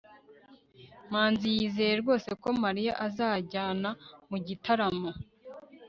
manzi yizeye rwose ko mariya azajyana mu gitaramo